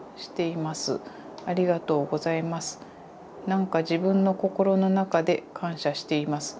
なんか自分の心の中で感謝しています。